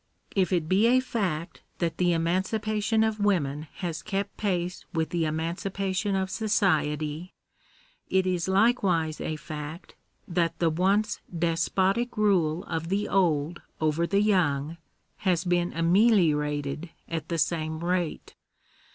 If it be a fact that the emancipation of women has kept pace with the emancipation of society, it is likewise a fact that the once despotic rule of the old over the young has been ameliorated at the same rate.